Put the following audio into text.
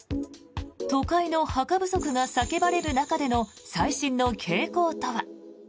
都会の墓不足が叫ばれる中での最新の傾向とは。